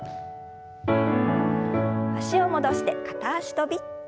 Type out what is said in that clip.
脚を戻して片脚跳び。